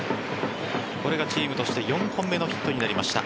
これがチームとして４本目のヒットになりました。